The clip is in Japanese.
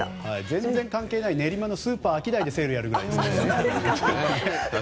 全然関係ない練馬のスーパーアキダイでセールやるくらいですから。